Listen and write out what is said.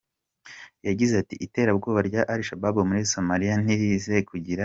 Yagize ati “Iterabwoba rya Al Shabaab muri Somalia ntiriteze kugira ijambo rya nyuma.